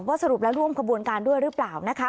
สรุปแล้วร่วมขบวนการด้วยหรือเปล่านะคะ